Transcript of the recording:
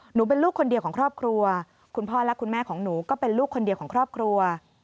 หนูเป็นลูกคนเดียวของครอบครัวคุณพ่อและคุณแม่ของหนูก็เป็นลูกคนเดียวของครอบครัว